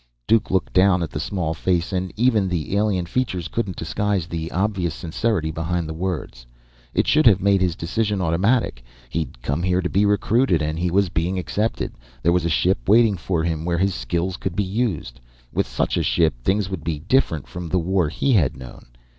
Duke looked down at the small face, and even the alien features couldn't disguise the obvious sincerity behind the words. It should have made his decision automatic. He'd come here to be recruited, and he was being accepted. There was a ship waiting for him, where his skills could be used. With such a ship, things would be different from the war he had known.